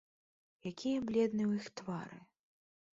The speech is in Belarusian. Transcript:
Якія бледныя ў іх твары.